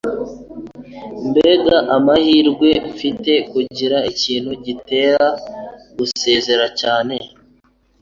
Mbega amahirwe mfite kugira ikintu gitera gusezera cyane.